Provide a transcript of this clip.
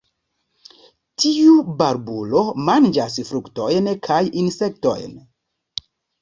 Tiu barbulo manĝas fruktojn kaj insektojn.